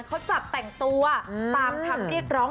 เขาจับแต่งตัวตามคำเรียกร้อง